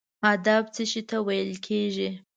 ادب څه شي ته ویل کیږي؟